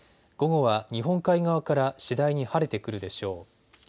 午後は日本海側から次第に晴れてくるでしょう。